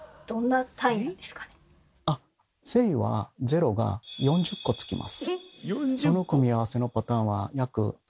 あっ正は０が４０個つきます。